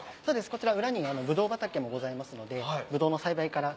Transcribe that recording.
こちら裏にぶどう畑もございますので。